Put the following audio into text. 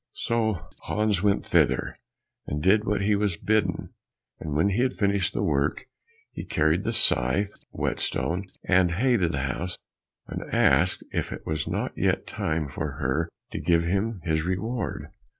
So Hans went thither, and did what he was bidden, and when he had finished the work, he carried the scythe, whetstone, and hay to the house, and asked if it was not yet time for her to give him his reward.